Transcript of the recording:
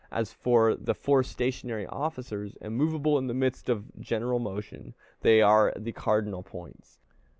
As for the four stationary officers, immovable in the midst of general motion, they are the cardinal points.